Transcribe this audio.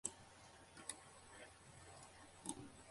It is continuous with the loose connective tissue of the neck.